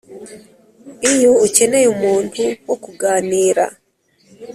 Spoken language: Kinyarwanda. iyo ukeneye umuntu wo kuganira.